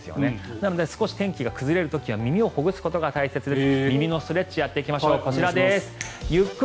なので少し天気が崩れる時には耳をほぐすことが大切です。